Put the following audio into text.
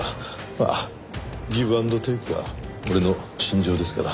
まあギブ・アンド・テイクが俺の信条ですから。